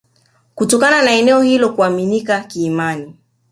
Kutokana na eneo hilo kuaminika kiimani